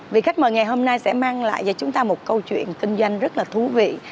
vị khách mời ngày hôm nay sẽ mang lại cho chúng ta một câu chuyện kinh doanh rất là thú vị